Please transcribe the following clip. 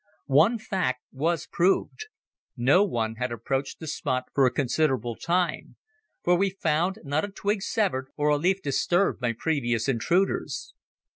One fact was proved no one had approached the spot for a considerable time, for we found not a twig severed or a leaf disturbed by previous intruders.